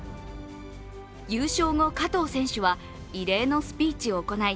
優勝後、加藤選手は異例のスピーチを行い、